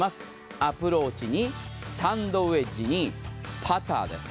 アプローチにサンドウェッジにパターです。